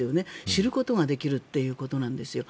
知ることができるということなんですよ。